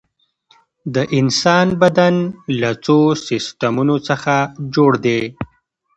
د انسان بدن له څو سیستمونو څخه جوړ دی